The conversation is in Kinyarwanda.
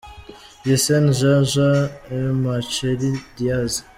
Giessen Jean Jean& Maceri Diaz.